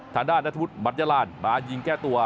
ทางด้านนัทธวุธมัดยาลานมายิงแก้ตัว